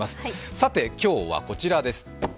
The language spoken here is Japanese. さて今日はこちらです。